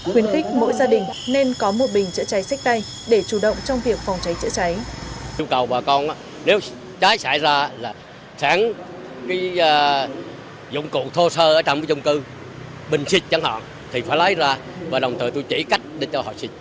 khuyến khích mỗi gia đình nên có một bình chữa cháy sách tay để chủ động trong việc phòng cháy chữa cháy